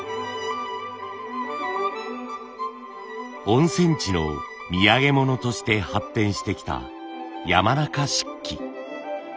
温泉地の土産物として発展してきた山中漆器。